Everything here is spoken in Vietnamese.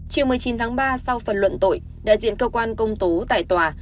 chiều một mươi chín tháng ba sau phần luận tội đại diện cơ quan công tố tại tòa